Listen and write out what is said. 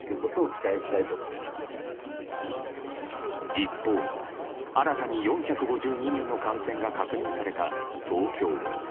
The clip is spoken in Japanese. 一方、新たに４５２人の感染が確認された東京。